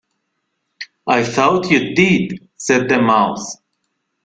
‘I thought you did,’ said the Mouse.